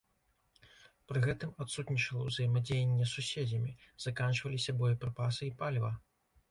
Пры гэтым адсутнічала ўзаемадзеянне з суседзямі, заканчваліся боепрыпасы і паліва.